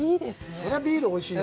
そりゃビール、おいしいね。